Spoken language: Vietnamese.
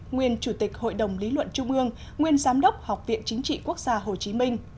nguyên chủ tịch hội đồng lý luận trung ương nguyên giám đốc học viện chính trị quốc gia hồ chí minh